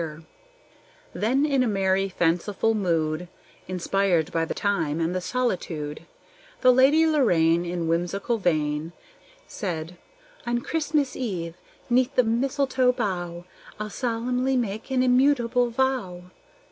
Then in a merry, fanciful mood, Inspired by the time and the solitude, The Lady Lorraine, In whimsical vein, Said, "On Christmas eve, 'neath this mistletoe bough, I'll solemnly make an immutable vow."